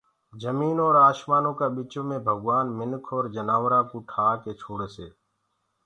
جميٚنٚ اور آشمآنو ڪآ ٻِچو مي منک اور جآنورآنٚ ڪو ٺآڪي ڇوڙسي